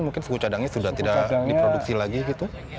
mungkin suku cadangnya sudah tidak diproduksi lagi gitu